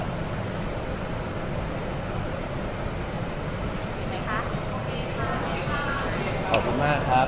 ขอบคุณมากครับ